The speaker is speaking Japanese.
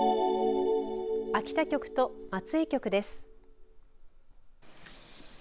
秋田局と松江局です。